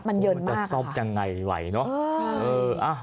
มันจะซ่อมยังไงไหวเนอะ